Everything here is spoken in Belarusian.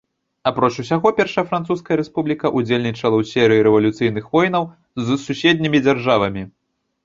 Апроч усяго першая французская рэспубліка ўдзельнічала ў серыі рэвалюцыйных войнаў з суседнімі дзяржавамі.